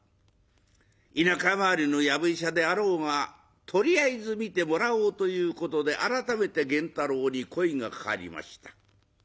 田舎回りのやぶ医者であろうがとりあえず診てもらおうということで改めて源太郎に声がかかりました。